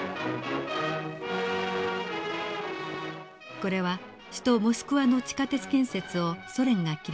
これは首都モスクワの地下鉄建設をソ連が記録した映像です。